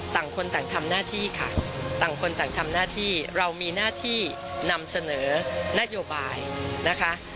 ต่างคนต่างทำหน้าที่ค่ะต่างคนต่างทำหน้าที่เรามีหน้าที่นำเสนอนโยบายนะคะ